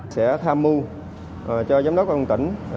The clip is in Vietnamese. sẽ tham mưu cho giám đốc quân tỉnh